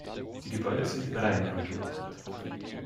Die Gebäude sind in Reihen angeordnet.